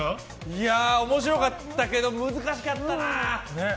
いや、面白かったけど難しかったな。